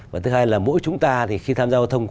và thứ hai là mỗi chúng ta thì khi tham gia giao thông